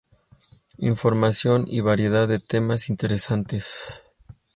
Información y variedad de temas interesantes.